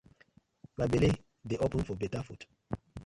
My belle dey open for betta food.